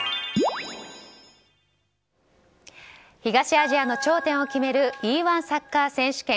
東アジアの頂点を決めるＥ‐１サッカー選手権。